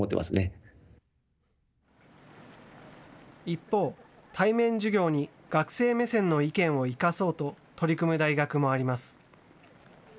一方、対面授業に学生目線の意見を生かそうと取り組む大学もあります。